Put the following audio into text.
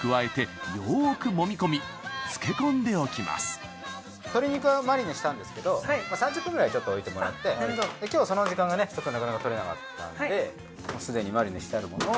更に鶏肉はマリネしたんですけど３０分くらい置いてもらって今日はその時間がねなかなか取れなかったのですでにマリネしてあるものを。